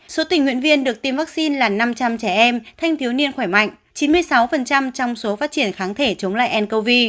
số tình nguyện viên được tiêm vaccine là năm trăm linh trẻ em thanh thiếu niên khỏe mạnh chín mươi sáu trong số phát triển kháng thể chống lại ncov